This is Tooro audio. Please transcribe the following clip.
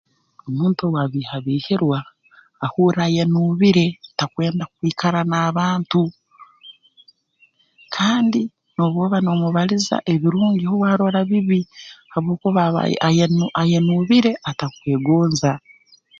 Omuntu obu abiihabiihirwa ahurra ayenuubire takwenda kwikara n'abantu kandi n'obu oba noomubaliza ebirungi huwe arora bibi habwokuba aba aye ayenu ayenuubire atakwegonza